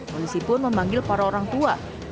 polisi pun memanggil para orang tua